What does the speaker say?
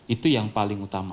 itu yang paling utama